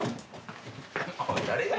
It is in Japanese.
おい誰が。